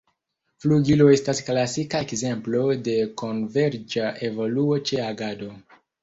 Flugilo estas klasika ekzemplo de konverĝa evoluo ĉe agado.